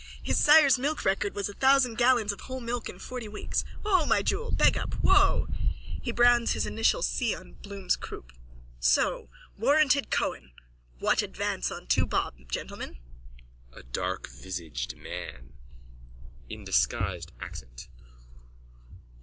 His sire's milk record was a thousand gallons of whole milk in forty weeks. Whoa, my jewel! Beg up! Whoa! (He brands his initial C on Bloom's croup.) So! Warranted Cohen! What advance on two bob, gentlemen? A DARKVISAGED MAN: _(In disguised accent.)